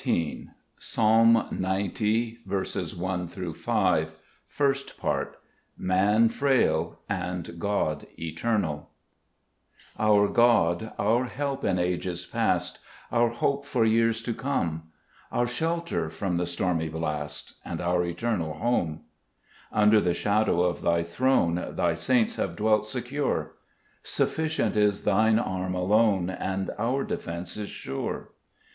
See Isaiah lxii, 1. Deny. See Romans x, 14.] J4 ©salm ace, Ub. first ipart /iDan afraxl anb (3oD BternaL OUR God, our Help in ages past, Our Hope for years to come, Our Shelter from the stormy blast, And our eternal Home : 2 Under the shadow of Thy throne Thy saints have dwelt secure ; Sufficient is Thine arm alone, And our defence is sure.